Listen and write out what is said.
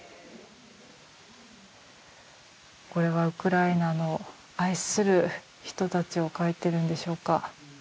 これは、ウクライナの愛する人たちを描いているんでしょうか。